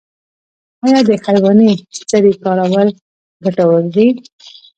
آیا د حیواني سرې کارول ګټور دي؟